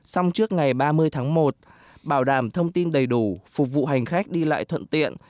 xong trước ngày ba mươi tháng một bảo đảm thông tin đầy đủ phục vụ hành khách đi lại thuận tiện